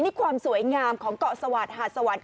นี่ความสวยงามของเกาะสวาสหาดสวรรค